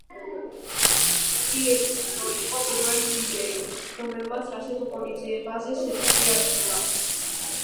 ტიესტო იყო პირველი დიჯეი, რომელმაც ასეთ ღონისძიებაზე სეტი შეასრულა.